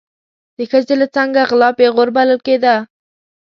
د ښځې له څنګه غلا پیغور بلل کېده.